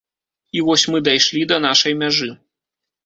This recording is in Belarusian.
І вось мы дайшлі да нашай мяжы.